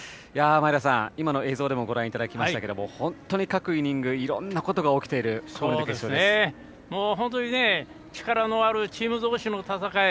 前田さん、今の映像でもご覧いただきましたが本当に各イニングいろんなことが本当に力のあるチーム同士の戦い